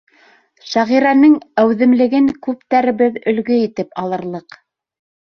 Шағирәнең әүҙемлеген күптәребеҙ өлгө итеп алырлыҡ.